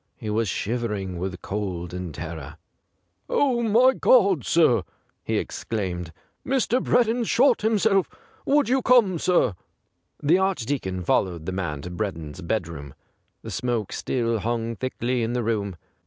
He was shiver ing with cold and terror. ' Oh, my God, sir !' he exclaimed, ' Mr. Breddon's shot himself. Would you come, sir.^' The Archdeacon followed the man to Breddon's bedroom. The smoke still hung thickly in the room.